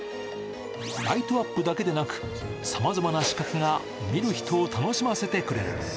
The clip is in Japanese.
ライトアップだけでなく、さまざまな仕掛けが見る人を楽しませてくれる。